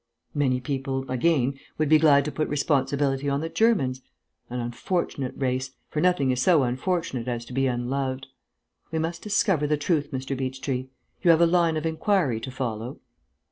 Many people, again, would be glad to put responsibility on the Germans. An unfortunate race, for nothing is so unfortunate as to be unloved. We must discover the truth, Mr. Beechtree. You have a line of inquiry to follow?"